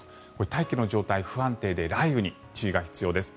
大気の状態が不安定で雷雨に注意が必要です。